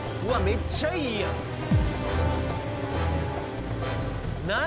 めっちゃいいやん何？